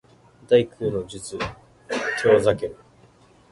第九の術テオザケル